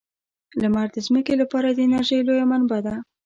لمر د ځمکې لپاره د انرژۍ لویه منبع ده.